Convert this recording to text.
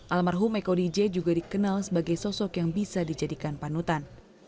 almarhum eko dj juga dikenal sebagai sosok yang bisa dijadikan panutan